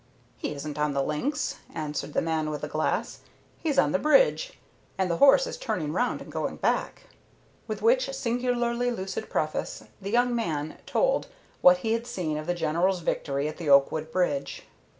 "He isn't on the links," answered the man with the glass, "he's on the bridge. And the horse is turning round and going back." With which singularly lucid preface, the young man told what he had seen of the General's victory at the Oakwood bridge.